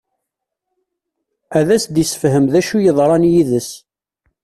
Ad as-d-isefhem d acu yeḍran d yid-s.